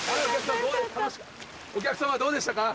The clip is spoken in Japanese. お客様どうでしたか？